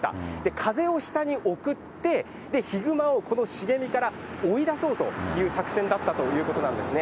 風を下に送って、ヒグマをこの茂みから追い出そうという作戦だったということなんですね。